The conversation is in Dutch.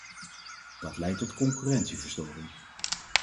Dat leidt tot concurrentieverstoring.